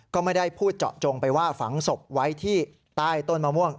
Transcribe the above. ก็ไม่ได้พูดเจาะจงไปว่าฝังศพไว้ที่ใต้ต้นมะม่วง